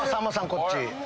こっち。